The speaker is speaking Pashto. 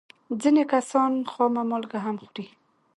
ځینې کسان خامه مالګه هم خوري.